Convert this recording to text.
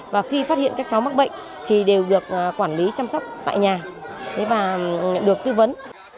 và khi phát hiện các cháu mắc bệnh thì đều được quản lý chăm sóc tại nhà và được tư vấn